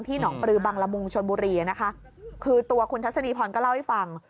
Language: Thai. หนองปลือบังละมุงชนบุรีนะคะคือตัวคุณทัศนีพรก็เล่าให้ฟัง